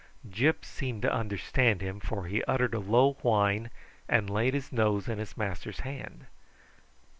Gyp seemed to understand him, for he uttered a low whine and laid his nose in his master's hand.